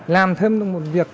làm thêm được một việc